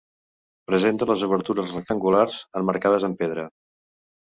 Presenta les obertures rectangulars, emmarcades en pedra.